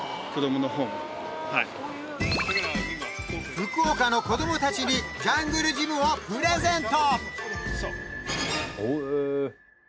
福岡の子どもたちにジャングルジムをプレゼント！